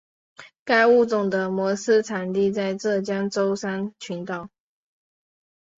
该物种的模式产地在浙江舟山群岛。